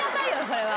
それは。